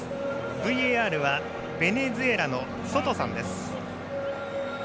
ＶＡＲはベネズエラのソトさんです。